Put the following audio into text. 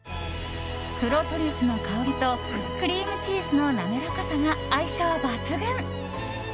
黒トリュフの香りとクリームチーズの滑らかさが相性抜群！